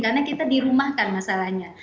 karena kita dirumahkan masalahnya